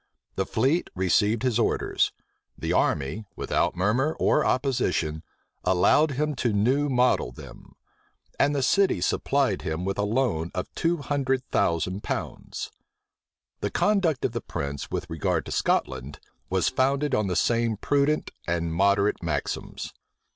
The fleet received his orders: the army, without murmur or opposition, allowed him to new model them: and the city supplied him with a loan of two hundred thousand pounds. {1689.} The conduct of the prince with regard to Scotland, was founded on the same prudent and moderate maxims.